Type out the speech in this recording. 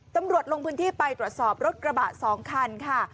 ลงพื้นที่ไปตรวจสอบรถกระบะ๒คันค่ะ